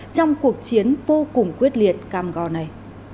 trong cuộc chiến vô cùng quyết liệt cam go này